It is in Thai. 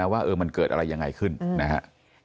ว่ามันเกิดอะไรยังไงขึ้นนะครับ